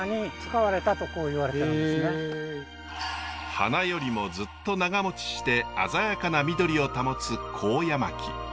花よりもずっと長もちして鮮やかな緑を保つ高野槙。